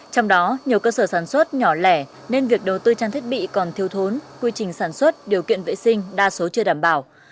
trong đó nhiều cơ sở sản xuất nhỏ lẻ nên việc đầu tư trang thiết bị còn thiếu thốn quy trình sản xuất điều kiện vệ sinh đa số chưa đảm bảo